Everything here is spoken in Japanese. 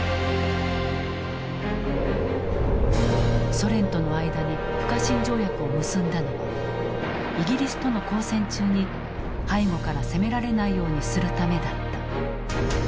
ソ連との間に不可侵条約を結んだのはイギリスとの交戦中に背後から攻められないようにするためだった。